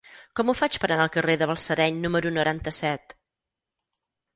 Com ho faig per anar al carrer de Balsareny número noranta-set?